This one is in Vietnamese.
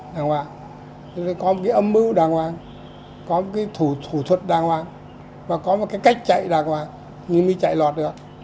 có một cái âm mưu đàng hoàng có một cái thủ thuật đàng hoàng và có một cái cách chạy đàng hoàng nhưng mới chạy lọt được